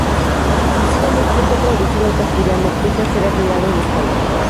Ha sido muy poco traducido al castellano, pese a ser admirado en España.